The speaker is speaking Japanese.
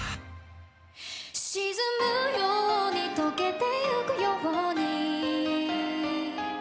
「沈むように溶けてゆくように」